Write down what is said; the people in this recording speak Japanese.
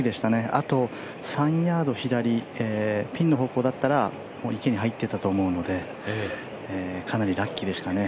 あと３ヤード左、ピンの方向だったらもう池に入っていたと思うのでかなりラッキーでしたね。